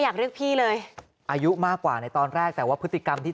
อยากเรียกพี่เลยอายุมากกว่าในตอนแรกแต่ว่าพฤติกรรมที่